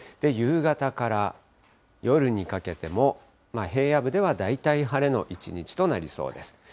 夕方から夜にかけても、平野部では大体晴れの一日となりそうです。